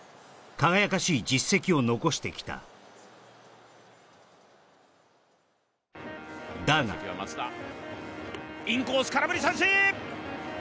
輝かしい実績を残してきただがインコース空振り三振